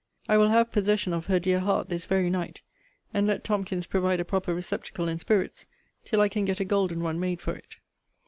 I will have possession of her dear heart this very night; and let Tomkins provide a proper receptacle and spirits, till I can get a golden one made for it.